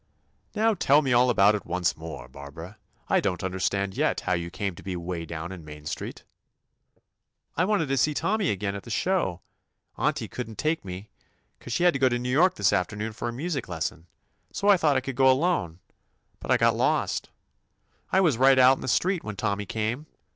"Now tell me all about it once more, Barbara. I don't understand yet how you came to be 'way dov^n in Main Street." "I wanted to see Tommy again at the show. Auntie could n't take me, 'cause she had to go to New York this afternoon for her music lesson, so I thought I could go alone, but I got lost. I was right out in the street when Tommy came.